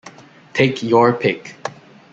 Take Your Pick!